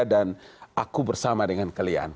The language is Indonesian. dan aku bersama dengan kalian